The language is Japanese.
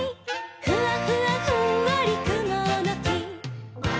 「ふわふわふんわりくものき」